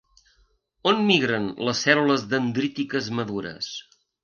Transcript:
On migren les cèl·lules dendrítiques madures?